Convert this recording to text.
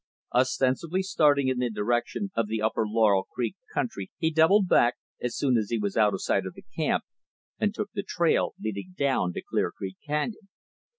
Ostensibly starting in the direction of the upper Laurel Creek country he doubled back, as soon as he was out of sight of camp, and took the trail leading down to Clear Creek canyon.